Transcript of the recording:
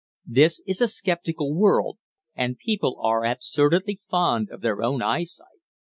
This is a sceptical world, and people are absurdly fond of their own eyesight.